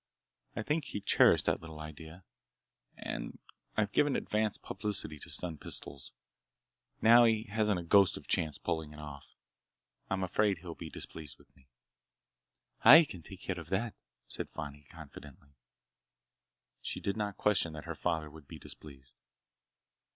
I think he cherished that little idea,—and I've given advance publicity to stun pistols. Now he hasn't a ghost of a chance of pulling it off. I'm afraid he'll be displeased with me." "I can take care of that!" said Fani confidently. She did not question that her father would be displeased.